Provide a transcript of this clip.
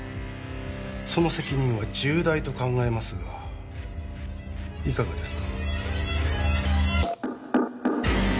その責任は重大と考えますがいかがですか？